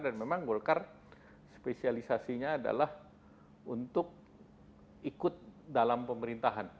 dan memang golkar spesialisasinya adalah untuk ikut dalam pemerintahan